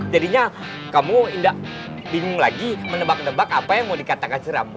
jadinya kamu tidak bingung lagi menebak nebak apa yang mau dikatakan jeram